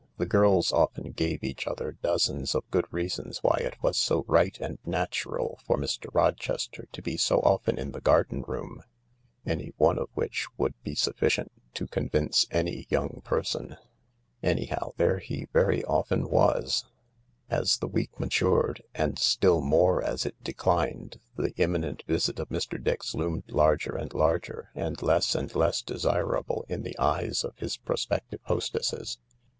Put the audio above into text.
The girls often gave each other dozens of good reasons why it was so right and natural for Mr, Rochester to be so often in the garden room — any one of which would be sufficient to convince any young person. Anyhow, there he very often was. As the week matured, and still more as it declined, the imminent visit of Mr. Dix loomed larger and larger and less and less desirable in the eyes of his prospective hostesses.